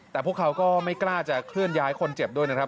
แต่พวกเขาก็ไม่กล้าจะเคลื่อนย้ายคนเจ็บด้วยนะครับ